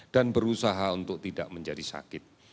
dan berusaha untuk tidak menjadi sakit